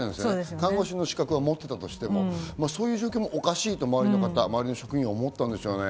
看護師の資格を持っていたとしても、そういう状況もおかしいと周りの職員が思ったんでしょうね。